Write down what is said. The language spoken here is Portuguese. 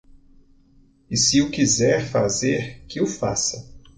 E se o quiser fazer que o faça.